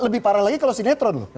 lebih parah lagi kalau sinetron